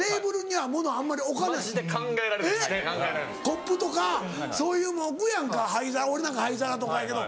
コップとかそういうの置くやんか俺なんか灰皿とかやけど。